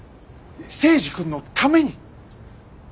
征二君のために。